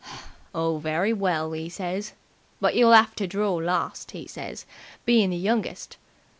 'Oh, very well,' 'e says. 'But you'll 'ave to draw last,' 'e says, 'bein' the youngest.'